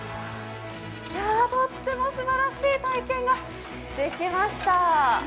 とってもすばらしい体験ができました。